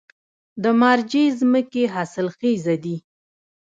د مارجې ځمکې حاصلخیزه دي